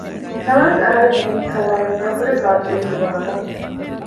ނަމަވެސް އަހަރެން އެދެނީ ކަލާއަށް މިއަށްވުރެ ބާއްޖަވެރި ދުވަހަކަށް